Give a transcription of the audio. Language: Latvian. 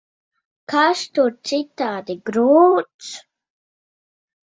Kas tur citādi grūts?